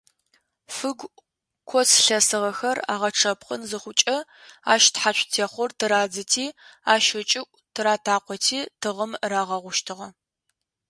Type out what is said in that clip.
Фыгу, коц лъэсыгъэхэр агъэчъэпхъын зыхъукӏэ, ащ тхьацу техъор тырадзэти ащ ыкӏыӏу тыратакъоти тыгъэм рагъэущтыгъэ.